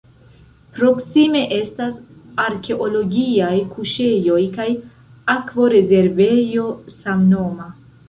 Proksime estas arkeologiaj kuŝejoj kaj akvorezervejo samnoma.